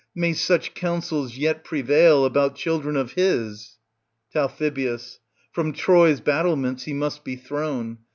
May such counsels yet prevail about children of his! Tal. From Troy's bstttlements he must be thrown.